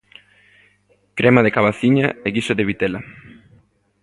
Crema de cabaciña e guiso de vitela.